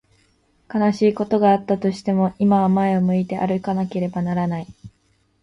悲しいことがあったとしても、今は前を向いて歩かなければならない。